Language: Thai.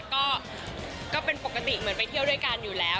ก็เป็นปกติเหมือนไปเที่ยวด้วยกันอยู่แล้ว